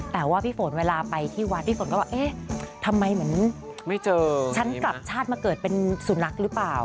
แต่ว่าพี่ฝนเวลาไปที่วัดพี่ฝนก็บอกเอ๊ะทำไมเหมือนไม่เจอฉันกลับชาติมาเกิดเป็นสุนัขหรือเปล่า